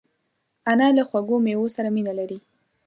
انا له خوږو مېوو سره مینه لري